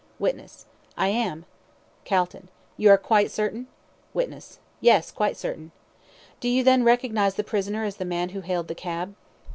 WITNESS: I am. CALTON: You are quite certain? WITNESS: Yes; quite certain. CALTON: Do you then recognise the prisoner as the man who hailed the cab?